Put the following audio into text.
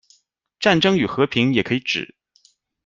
战争与和平也可以指：